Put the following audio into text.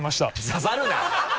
刺さるな！